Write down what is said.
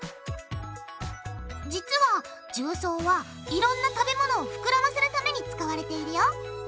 実は重曹はいろんな食べ物をふくらませるために使われているよ。